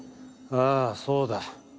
ああそうだ。